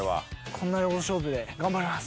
こんなに大勝負で頑張ります。